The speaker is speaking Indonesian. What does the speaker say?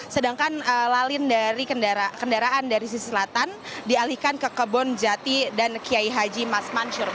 sedangkan lalin dari kendaraan dari sisi selatan dialihkan ke kebon jati dan kiai haji mas mansur